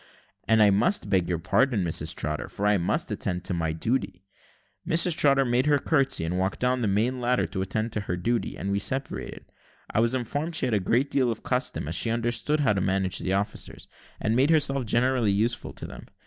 "And I must beg your pardon, Mrs Trotter, for I must attend to my duty." Mrs Trotter made her curtsy and walked down the main ladder to attend to her duty, and we separated. I was informed she had a great deal of custom, as she understood how to manage the officers, and made herself generally useful to them.